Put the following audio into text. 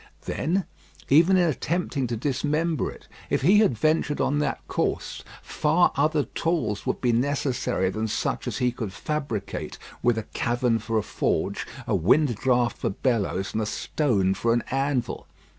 Then, even in attempting to dismember it, if he had ventured on that course, far other tools would be necessary than such as he could fabricate with a cavern for a forge, a wind draught for bellows, and a stone for an anvil.